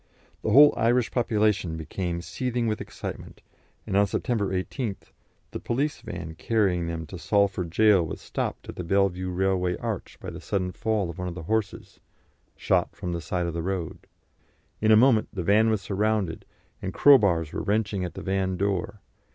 The whole Irish population became seething with excitement, and on September 18th the police van carrying them to Salford Gaol was stopped at the Bellevue Railway Arch by the sudden fall of one of the horses, shot from the side of the road. In a moment the van was surrounded, and crowbars were wrenching at the van door.